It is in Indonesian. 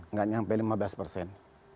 nggak sampai lima belas persen